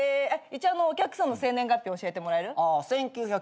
一応お客さんの生年月日教えてもらえる？